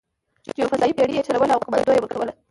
چې یوه فضايي بېړۍ یې چلوله او قومانده یې ورکوله.